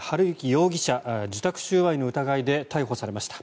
容疑者受託収賄の疑いで逮捕されました。